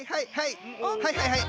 はいはいはい！